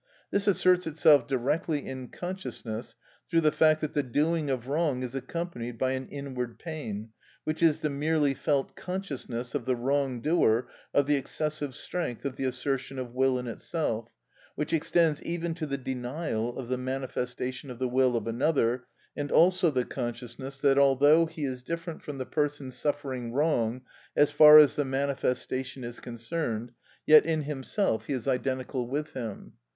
This asserts itself directly in consciousness through the fact that the doing of wrong is accompanied by an inward pain, which is the merely felt consciousness of the wrong doer of the excessive strength of the assertion of will in itself, which extends even to the denial of the manifestation of the will of another, and also the consciousness that although he is different from the person suffering wrong as far as the manifestation is concerned, yet in himself he is identical with him.